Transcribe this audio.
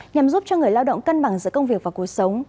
nhằm giúp cho người lao động cân bằng giữa công việc và cuộc sống